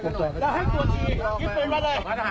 สวัสดีครับ